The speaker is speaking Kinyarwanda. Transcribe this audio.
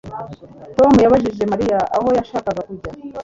Tom yabajije Mariya aho yashakaga kujya